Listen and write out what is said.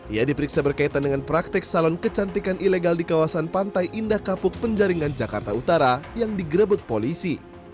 ia diperiksa berkaitan dengan praktek salon kecantikan ilegal di kawasan pantai indah kapuk penjaringan jakarta utara yang digerebek polisi